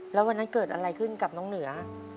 แล้ววันนั้นเกิดอะไรขึ้นกับน้องเหนือ